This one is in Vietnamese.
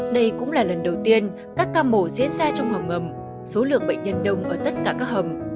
đây cũng là lần đầu tiên các ca mổ diễn ra trong hầm ngầm số lượng bệnh nhân đông ở tất cả các hầm